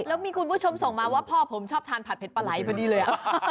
แล้วมีคุณผู้ชมส่งมาว่าพ่อผมชอบทานผัดเด็ดปลาไหลพอดีเลย